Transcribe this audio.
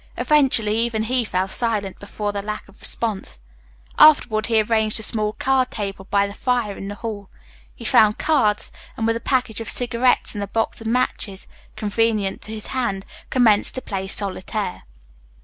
Eventually even he fell silent before the lack of response. Afterward he arranged a small card table by the fire in the hall. He found cards, and, with a package of cigarettes and a box of matches convenient to his hand, commenced to play solitaire.